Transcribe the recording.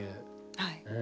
はい。